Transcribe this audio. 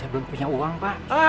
bukan punya uang pak